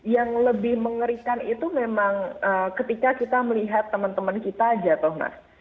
yang lebih mengerikan itu memang ketika kita melihat teman teman kita jatuh mas